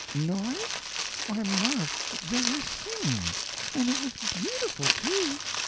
"Noise? Why, ma, they were singing! And it was beautiful, too."